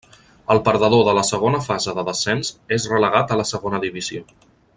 El perdedor de la segona fase de descens és relegat a la segona divisió.